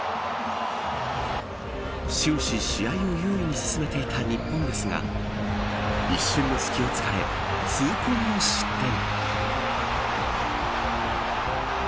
終始、試合を優位に進めていた日本ですが一瞬の隙を突かれ痛恨の失点。